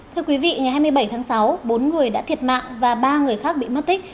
thưa quý vị ngày hai mươi bảy tháng sáu bốn người đã thiệt mạng và ba người khác bị mất tích